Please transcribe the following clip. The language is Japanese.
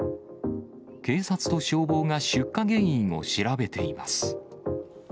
警察と消防が出火原因を調べています。